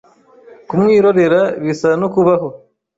Kumwirorera bisa no kubaho :